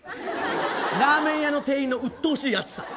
ラーメン屋の店員のうっとうしい熱さ。